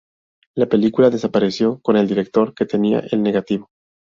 La película desapareció con el director, que tenía el negativo.